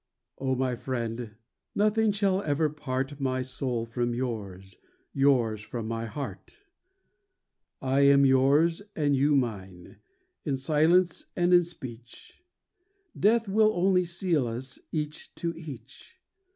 II O, my friend, nothing shall ever part My soul from yours, yours from my heart ! I am yours and you mine, in silence and in speech, Death will only seal us each to each.